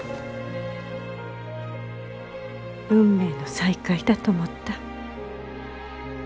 運命の再会だと思った。